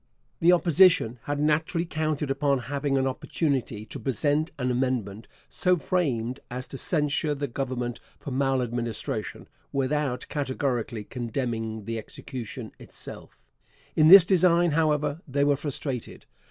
The Opposition had naturally counted upon having an opportunity to present an amendment so framed as to censure the Government for maladministration, without categorically condemning the execution itself. In this design, however, they were frustrated.